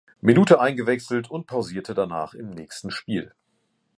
Minute eingewechselt und pausierte danach im nächsten Spiel.